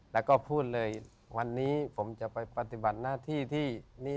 แล้วก็พูดเลยวันนี้ผมจะไปปฏิบัติหน้าที่ที่นี่